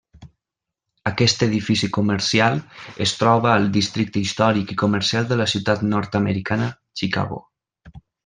Aquest edifici comercial es troba al districte històric i comercial de la ciutat nord-americana, Chicago.